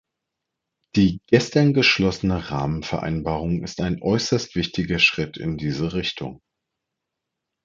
Die gestern geschlossene Rahmenvereinbarung ist ein äußerst wichtiger Schritt in diese Richtung.